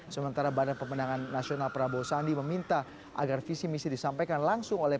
sementara badan pemenangan nasional prabowo sandi meminta agar visi misi disampaikan langsung oleh